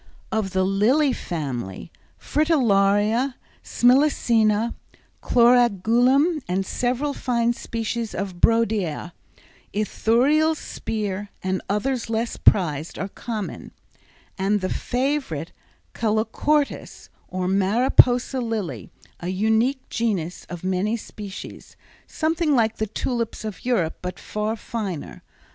Of the lily family, fritillaria, smilacina, chlorogalum and several fine species of brodiæa, Ithuriel's spear, and others less prized are common, and the favorite calochortus, or Mariposa lily, a unique genus of many species, something like the tulips of Europe but far finer.